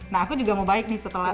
nah aku juga mau baik nih setelah